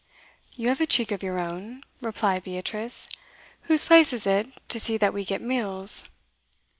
'You have a cheek of your own,' replied Beatrice. 'Whose place is it to see that we get meals?